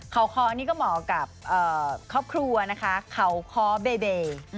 เขาคอนี่ก็เหมาะกับครอบครัวนะคะเขาคอเบเดย์